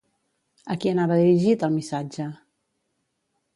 A qui anava dirigit el missatge?